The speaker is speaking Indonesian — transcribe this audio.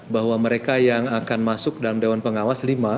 bahwa mereka yang akan masuk dalam dewan pengawas lima